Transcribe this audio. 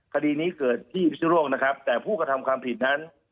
คดีนี้เกิดที่พิสุโลกนะครับแต่ผู้กระทำความผิดนั้น